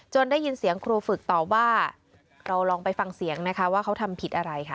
ได้ยินเสียงครูฝึกต่อว่าเราลองไปฟังเสียงนะคะว่าเขาทำผิดอะไรค่ะ